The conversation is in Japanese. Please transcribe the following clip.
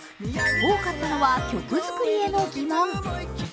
多かったのは曲作りへの疑問。